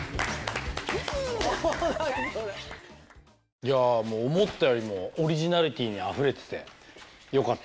いや思ったよりもオリジナリティーにあふれててよかった。